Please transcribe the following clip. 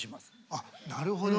あっなるほどね。